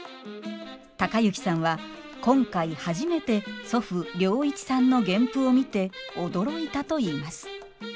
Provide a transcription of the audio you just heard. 之さんは今回初めて祖父良一さんの原譜を見て驚いたといいます。